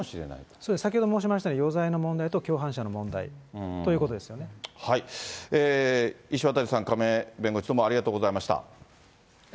そうです、先ほど申しましたように、余罪の問題と共犯者の問石渡さん、亀井弁護士、どうありがとうございました。